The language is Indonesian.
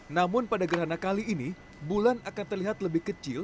namun pada gerhana kali ini bulan akan terlihat lebih kecil